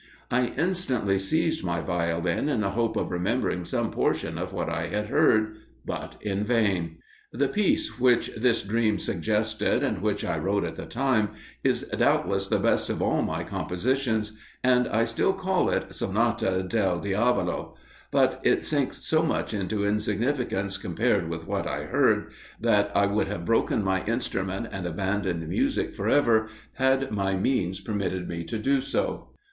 I instantly seized my Violin in the hope of remembering some portion of what I had heard, but in vain. The piece which this dream suggested, and which I wrote at the time, is doubtless the best of all my compositions, and I still call it "Sonata del Diavolo," but it sinks so much into insignificance compared with what I heard, that I would have broken my instrument and abandoned music for ever, had my means permitted me to do so."